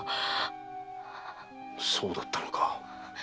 そうだったのか。